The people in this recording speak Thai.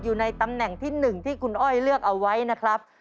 อยู่ในตำแหน่งที่๑ที่คุณอ้อยเลือกเอาไว้นะครับ